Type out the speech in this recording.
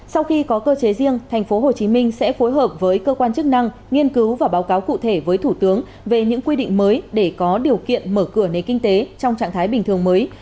sau khi có cơ chế riêng tp hcm sẽ phối hợp với cơ quan chức năng nghiên cứu và báo cáo cụ thể với thủ tướng về những quy định mới để có điều kiện mở cửa nền kinh tế trong trạng thái bình thường mới